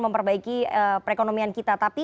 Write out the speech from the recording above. memperbaiki perekonomian kita tapi